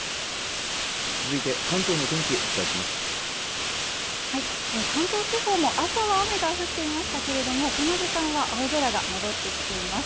続いて関東のお天気お伝えします関東地方も朝は雨が降っていましたけれどもこの時間は青空が戻ってきています